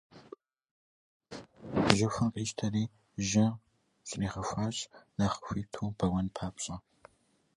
Жьыхур къищтэри жьы щӀригъэхуащ, нэхъ хуиту бэуэн папщӀэ.